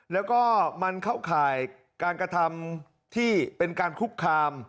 แล้วก็มันเข้าข่ายการกระทำที่เป็นการคุกคาม